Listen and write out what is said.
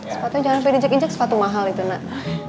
sepatunya jangan sampai dijek injek sepatu mahal itu nak